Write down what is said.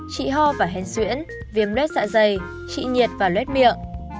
trị ho và hèn xuyễn viêm lết dạ dày trị nhiệt và lét miệng